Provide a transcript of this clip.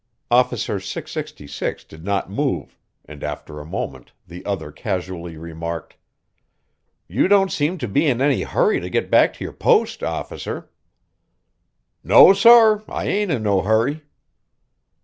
Officer 666 did not move, and after a moment the other casually remarked: "You don't seem to be in any hurry to get back to your post, officer." "No, sorr I ain't in no hurry."